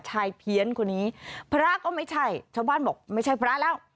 เพี้ยนคนนี้พระก็ไม่ใช่ชาวบ้านบอกไม่ใช่พระแล้ว